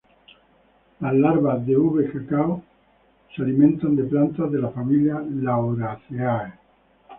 Las larvas de "V. cacao" se alimentan de plantas de la familia "Lauraceae".